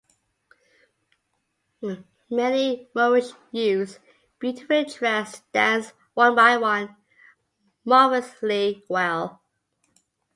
Many Moorish youths, beautifully dressed, danced, one by one, marvellously well.